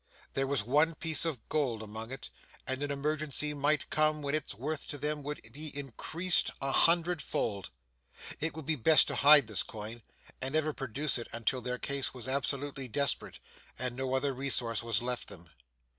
There was one piece of gold among it, and an emergency might come when its worth to them would be increased a hundred fold. It would be best to hide this coin, and never produce it unless their case was absolutely desperate, and no other resource was left them.